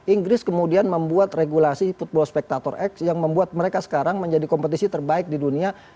inggris kemudian membuat regulasi football spectator x yang membuat mereka sekarang menjadi kompetisi terbaik di dunia